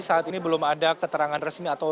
saat ini belum ada keterangan resmi atau